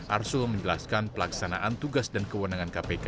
arsul menjelaskan pelaksanaan tugas dan kewenangan kpk